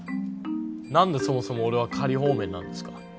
何でそもそも俺は仮放免なんですか？